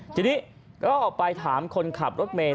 ทีนี้ก็ไปถามคนขับรถเมย์